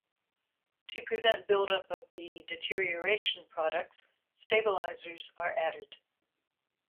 To prevent buildup of the deterioration products, stabilizers are added.